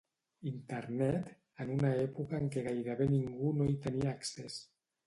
Internet, en una època en què gairebé ningú no hi tenia accés.